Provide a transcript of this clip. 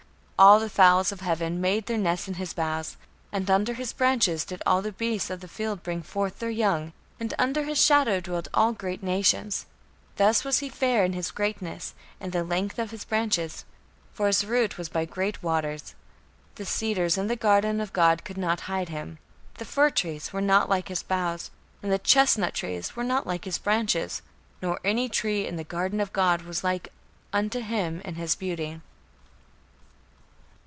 All the fowls of heaven made their nests in his boughs, and under his branches did all the beasts of the field bring forth their young, and under his shadow dwelt all great nations. Thus was he fair in his greatness, in the length of his branches; for his root was by great waters. The cedars in the garden of God could not hide him: the fir trees were not like his boughs, and the chestnut trees were not like his branches; nor any tree in the garden of God was like unto him in his beauty."